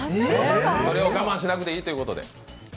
それを我慢しなくていいってことで。